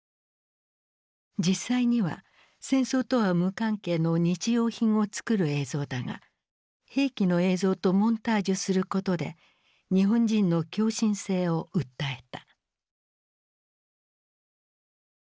実際には戦争とは無関係の日用品を作る映像だが兵器の映像とモンタージュすることで日本人の狂信性を訴えた。